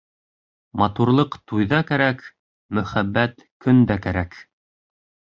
Матурлыҡ туйҙа кәрәк, мөхәббәт көндә кәрәк.